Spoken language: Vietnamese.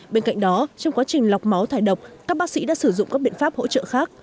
bên cạnh đó trong quá trình lọc máu thải độc các bác sĩ đã sử dụng các biện pháp hỗ trợ khác